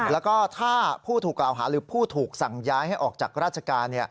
แล้วก็ถ้าผู้ถูกกล่าวหาหรือผู้ถูกสั่งย้ายให้ออกจากราชการ